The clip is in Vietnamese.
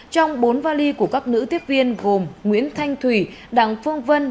trong bốn vali của các nữ tiếp viên gồm nguyễn thanh thủy đặng phương vân